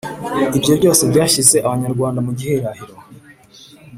ibyo byose byashyize Abanyarwanda mu gihirahiro.